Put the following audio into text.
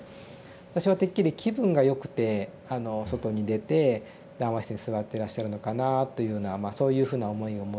私はてっきり気分が良くて外に出て談話室に座ってらっしゃるのかなというようなそういうふうな思いを持ってですね